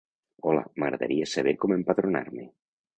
Hola, m'agradaria saber com empadronar-me.